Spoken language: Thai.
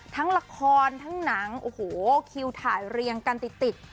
ทั้งละครทั้งหนังโอ้โหคิวถ่ายเรียงกันติด